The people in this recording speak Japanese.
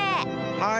はい。